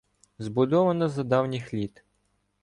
Збудована за давніх літ